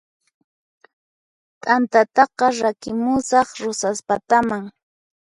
T'antataqa rakimusaq Rosaspataman